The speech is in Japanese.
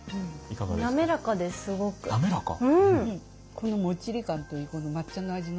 このもっちり感といいこの抹茶の味の濃さといい。